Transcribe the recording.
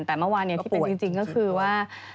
แต่เมื่อวานที่เป็นจริงก็คือว่า